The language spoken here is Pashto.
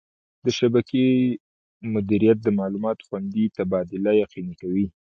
د شبکې مدیریت د معلوماتو خوندي تبادله یقیني کوي.